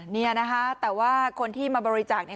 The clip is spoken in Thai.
เนี่ยนะคะแต่ว่าคนที่มาบริจาคเนี่ย